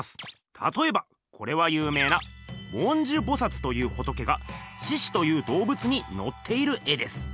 たとえばこれは有名な文殊菩薩という仏が獅子という動物にのっている絵です。